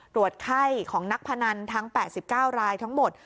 ไข้ของนักพนันทั้ง๘๙รายทั้งหมด